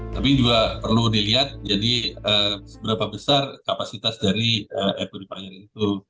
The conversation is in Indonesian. tapi juga perlu dilihat jadi seberapa besar kapasitas dari air purifier itu